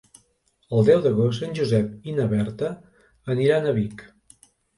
El deu d'agost en Josep i na Berta aniran a Vic.